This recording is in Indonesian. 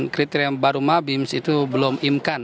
kriteria baru mabims itu belum income